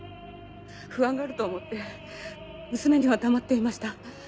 不安がると思って娘には黙っていました。